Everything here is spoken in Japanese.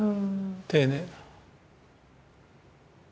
丁寧。